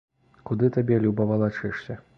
Куды табе люба валачэшся.